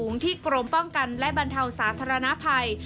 ที่กรมป้องกันและบรรเทาสาธารณภัย